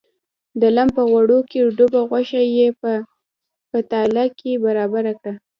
د لم په غوړو کې ډوبه غوښه یې په پتیله کې برابره کړه.